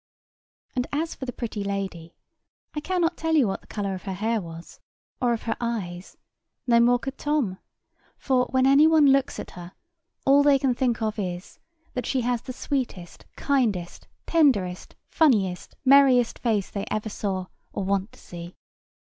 And as for the pretty lady, I cannot tell you what the colour of her hair was, or, of her eyes: no more could Tom; for, when any one looks at her, all they can think of is, that she has the sweetest, kindest, tenderest, funniest, merriest face they ever saw, or want to see.